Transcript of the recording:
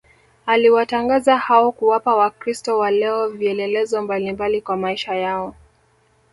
aliwatangaza hao kuwapa wakristo wa leo vielelezo mbalimbali kwa maisha yao